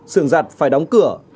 sưởng giặt phải đóng cửa